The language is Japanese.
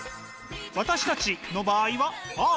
私たちの場合はａｒｅ。